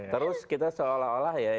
terus kita seolah olah ya